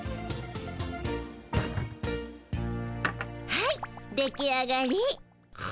はい出来上がり。